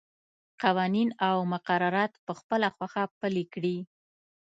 قوانین او مقررات په خپله خوښه پلي کړي.